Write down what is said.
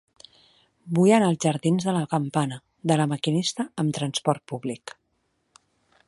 Vull anar als jardins de la Campana de La Maquinista amb trasport públic.